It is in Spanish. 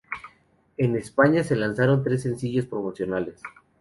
En España se lanzaron tres sencillos promocionales.